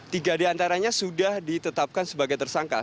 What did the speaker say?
tiga di antaranya sudah ditetapkan sebagai tersangka